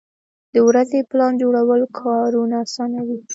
د ورځې پلان جوړول کارونه اسانوي.